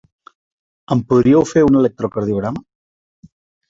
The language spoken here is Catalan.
Em podríeu fer un electrocardiograma?